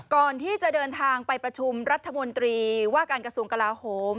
ก่อนที่จะเดินทางไปประชุมรัฐมนตรีว่าการกระทรวงกลาโหม